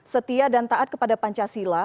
setia dan taat kepada pancasila